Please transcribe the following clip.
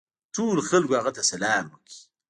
ټولو خلکو هغه ته سلام وکړ.